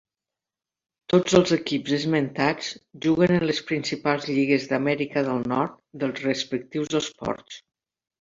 Tots els equips esmentats juguen en les principals lligues d'Amèrica del Nord dels respectius esports.